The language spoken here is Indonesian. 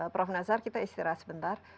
prof nazar kita istirahat sebentar